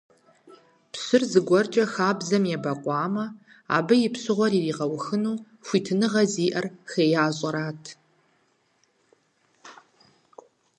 Пщыр зыгуэркӏэ хабзэм ебэкъуамэ, абы и пщыгъуэр иригъэухыну хуитыныгъэ зиӀэр хеящӀэрат.